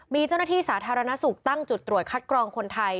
มีเจ้าหน้าที่สาธารณสุขตั้งจุดตรวจคัดกรองคนไทย